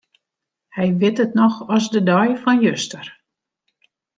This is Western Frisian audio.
Hy wit it noch as de dei fan juster.